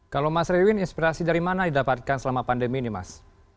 kalau mas riwin inspirasi dari mana didapatkan selama pandemi ini mas